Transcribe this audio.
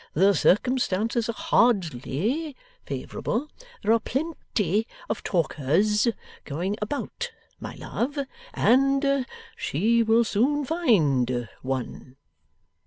The circumstances are hardly favourable. There are plenty of talkers going about, my love, and she will soon find one.